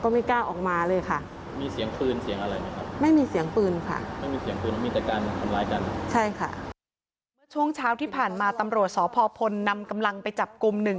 เมื่อช่วงเช้าที่ผ่านมาตำรวจสพพลนำกำลังไปจับกลุ่มหนึ่ง